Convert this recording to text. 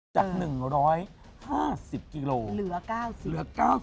จาก๑๕๐กิโลเหลือ๙๐กิโล